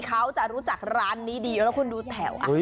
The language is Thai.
เขาจะรู้จักร้านนี้ดีแล้วคุณดูแถว